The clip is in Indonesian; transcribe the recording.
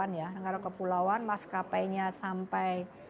karena kita juga negara kepulauan mas kapainya sampai